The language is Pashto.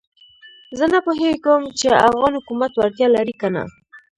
زه نه پوهېږم چې افغان حکومت وړتیا لري کنه.